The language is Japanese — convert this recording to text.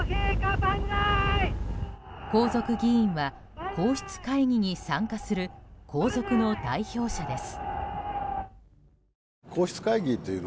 皇族議員は、皇室会議に参加する皇族の代表者です。